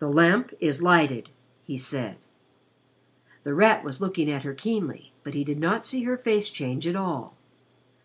"The Lamp is lighted," he said. The Rat was looking at her keenly, but he did not see her face change at all.